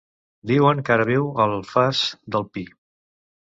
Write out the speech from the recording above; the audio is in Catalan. Diuen que ara viu a l'Alfàs del Pi.